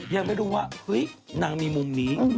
ยังไม่รู้ว่าเฮ้ยนางมีมุมนี้